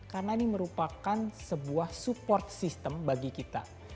karena ini merupakan sebuah support system bagi kita